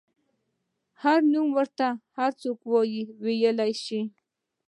هر نوم ورته څوک وايي ویلی شي.